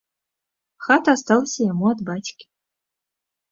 Хата асталася яму ад бацькі.